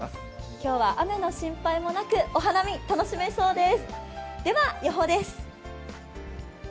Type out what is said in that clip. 今日は雨の心配もなくお花見楽しめそうです。